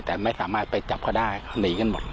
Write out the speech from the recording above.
แต่ไม่สามารถไปจับเขาได้หนีกันหมด